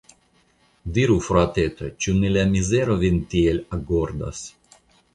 Diru, frateto, ĉu ne la mizero vin tiel agordas?